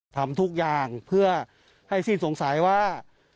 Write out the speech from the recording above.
ทำทุกอย่างเพื่อให้สิ้นสงสัยว่า